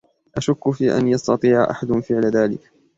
أشك في أن يستطيع أحد فعل ذلك.